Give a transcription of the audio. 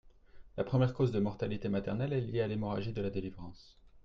La première cause de mortalité maternelle est liée à l’hémorragie de la délivrance.